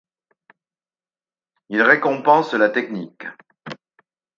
Il récompense la technique.